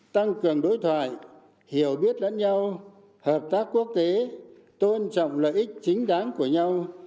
tăng cường đối thoại hiểu biết lẫn nhau hợp tác quốc tế tôn trọng lợi ích chính đáng của nhau